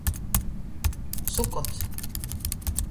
Sukots.